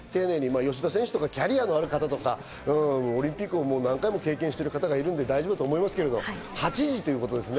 吉田選手とかキャリアのある方とかオリンピックを何度も経験してる方がいるので大丈夫だと思いますけど８時ということですね。